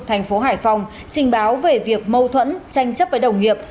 tp hcm trình báo về việc mâu thuẫn tranh chấp với đồng nghiệp